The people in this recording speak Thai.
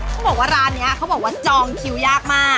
เขาบอกว่าร้านนี้เขาบอกว่าจองคิวยากมาก